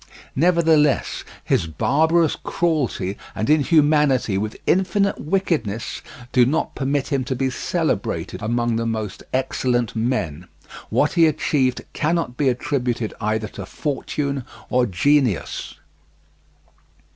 Nevertheless, his barbarous cruelty and inhumanity with infinite wickedness do not permit him to be celebrated among the most excellent men. What he achieved cannot be attributed either to fortune or genius.